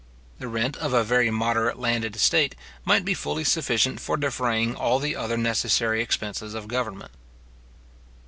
The rent of a very moderate landed estate might be fully sufficient for defraying all the other necessary expenses of government.